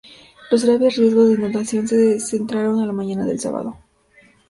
los graves riesgos de inundación centraron la mañana del sábado